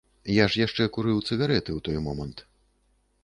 Я ж яшчэ курыў цыгарэты ў той момант.